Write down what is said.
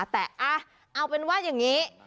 แต่เอาเป็นว่าอย่างนี้